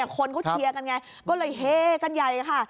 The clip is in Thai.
คนเขาเชียร์กันไงก็เลยเฮกันใหญ่ค่ะ